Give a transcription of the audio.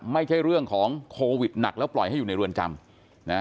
ไม่ใช่เรื่องของโควิดหนักแล้วปล่อยให้อยู่ในเรือนจำนะ